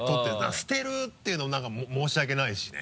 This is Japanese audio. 捨てるっていうのもなんか申し訳ないしね。